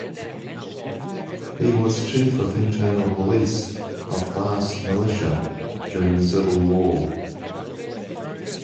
He was chief of internal police of Basque militia during the Civil War.